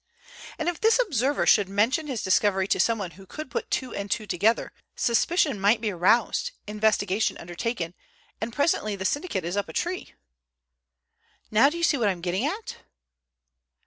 And if this observer should mention his discovery to someone who could put two and two together, suspicion might be aroused, investigation undertaken, and presently the syndicate is up a tree. Now do you see what I'm getting at?"